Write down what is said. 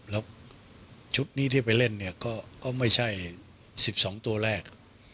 แล้วชุดนี้ที่ไปเล่นเนี่ยก็ไม่ใช่๑๒ตัวแรก